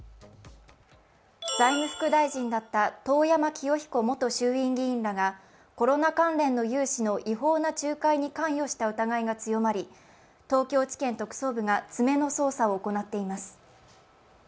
財務副大臣だった遠山清彦元衆院議員らがコロナ関連の融資の違法な仲介に関与した疑いが強まり、東京地検特捜部が詰めの捜査を行っています。